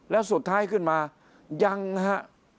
แล้วสุดท้ายขึ้นมายังฮะ